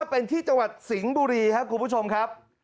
เป็นที่จังหวัดสิงห์บุรีครับคุณผู้ชมครับ